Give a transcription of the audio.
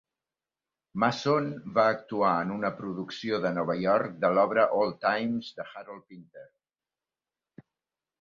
Mason va actuar en una producció de Nova York de l"obra "Old Times" de Harold Pinter.